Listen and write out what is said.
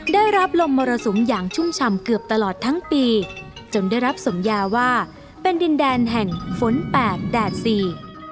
ได้รับลมมรสุมอย่างชุ่มฉ่ำเกือบตลอดทั้งปีจนได้รับสมยาว่าเป็นดินแดนแห่งฝนแปดแดดสี่